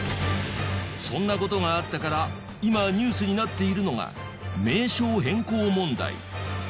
そんな事があったから今ニュースになっているのが名称変更問題。